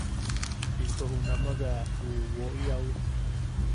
Into junama bea ju wo’i au.